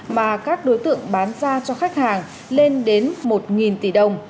mà các đối tượng bán ra cho khách hàng lên đến một tỷ đồng